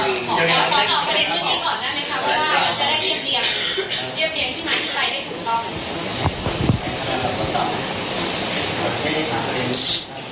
ขอตอบประเด็นขึ้นหนึ่งก่อนได้ไหมครับว่ามันจะได้เรียบเบียงเรียบเบียงชื่อหมายถึงใครได้ถูกต้อง